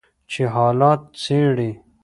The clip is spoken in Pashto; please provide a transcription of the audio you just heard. چې حالات څیړي